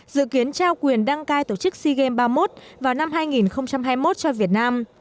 dự kiến trao quyền đăng cai tổ chức sea games ba mươi một vào năm hai nghìn hai mươi một cho việt nam